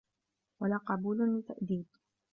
وَلَا قَبُولٌ لِتَأْدِيبٍ